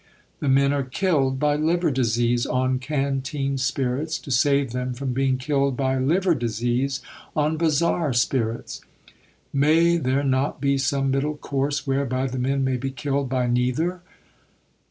"The men are killed by liver disease on canteen spirits to save them from being killed by liver disease on bazaar spirits. May there not be some middle course whereby the men may be killed by neither?"